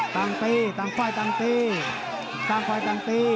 ตั้งตีตั้งไขว่ตั้งตี